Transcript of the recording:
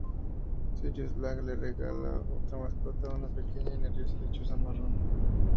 Sirius Black le regala otra mascota, una pequeña y nerviosa lechuza marrón.